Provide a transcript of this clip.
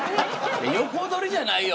横取りじゃないよ。